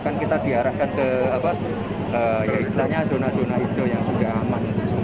kan kita diarahkan ke zona zona hijau yang sudah aman